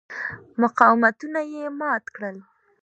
مقاومتونه یې مات کړل.